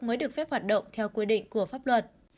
mới được phép hoạt động theo quy định của pháp luật